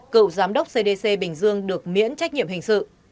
cựu giám đốc cdc bình dương được miễn trách nhiệm hình sự